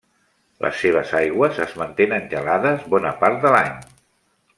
Les seves aigües es mantenen gelades bona part de l'any.